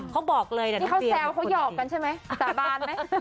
เขาบอกเลยนะที่เขาแซวเขาหยอกกันใช่ไหมสาบานไหม